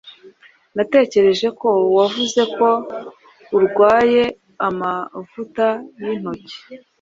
Natekereje ko wavuze ko urwaye amavuta yintoki.